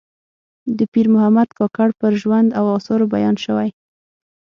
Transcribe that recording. د پیر محمد کاکړ پر ژوند او آثارو بیان شوی.